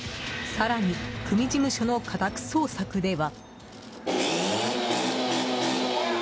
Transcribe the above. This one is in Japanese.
更に組事務所の家宅捜索では。